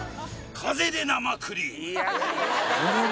風で生クリーム？